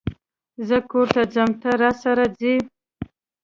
زه کور ته ځم ته، راسره ځئ؟